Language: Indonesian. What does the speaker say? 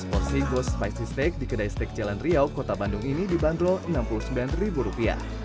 porsi ghost spicy steak di kedai steak jalan riau kota bandung ini dibanderol rp enam puluh sembilan